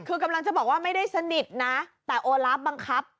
คือกำลังจะบอกว่าไม่ได้สนิทนะแต่โอลาฟบังคับ